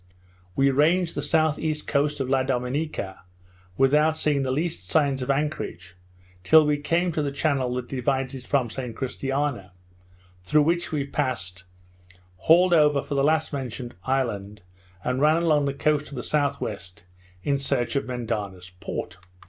We ranged the S.E..coast of La Dominica, without seeing the least signs of anchorage, till we came to the channel that divides it from St Christina, through which we passed, hauled over for the last mentioned island, and ran along the coast to the S.W. in search of Mendana's Port.